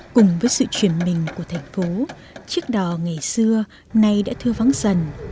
cùng với sự chuyển mình của thành phố chiếc đò ngày xưa nay đã thưa vắng dần